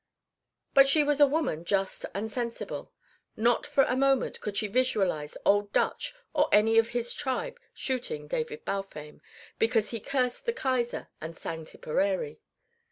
But she was a woman just and sensible. Nor for a moment could she visualise Old Dutch or any of his tribe shooting David Balfame because he cursed the Kaiser and sang Tipperary.